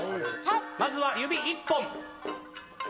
まずは指１本。